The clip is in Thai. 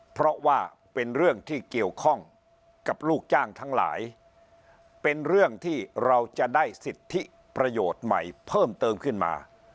เพราะว่าเป็นเรื่องที่เกี่ยวข้องกับลูกจ้างทั้งหลายเป็นเรื่องที่เราจะได้สิทธิประโยชน์ใหม่เพิ่มเติมขึ้นมา